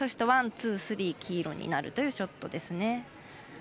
ワン、ツー、スリー、黄色になるというショットですね。